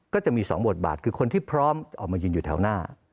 ก็จะมี๒บทบาทคือคนที่พร้อมออกมายืนอยู่แถวหน้า